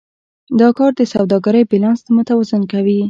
دا کار د سوداګرۍ بیلانس متوازن کوي.